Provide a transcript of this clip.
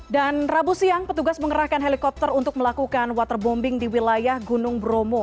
dan rabu siang petugas mengerahkan helikopter untuk melakukan waterbombing di wilayah gunung bromo